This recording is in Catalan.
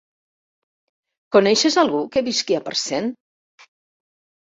Coneixes algú que visqui a Parcent?